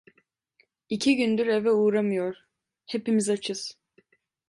İki gündür eve uğramıyor, hepimiz açız.